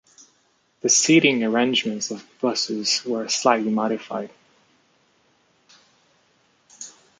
The seating arrangement of buses were slightly modified.